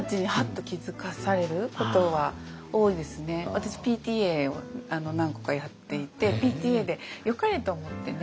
結構だから私ＰＴＡを何個かやっていてＰＴＡでよかれと思ってね